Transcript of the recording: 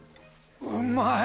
うまい！